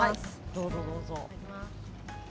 どうぞ、どうぞ。